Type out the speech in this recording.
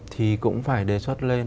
thì cũng phải đề xuất lên